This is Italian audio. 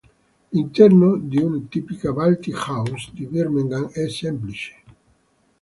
L'interno di una tipica "Balti House" di Birmingham è semplice.